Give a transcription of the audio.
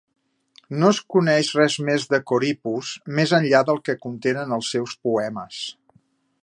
No es coneix res més de Corippus més enllà del que contenen els seus poemes.